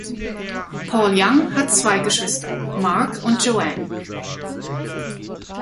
Paul Young hat zwei Geschwister, Mark und Joanne.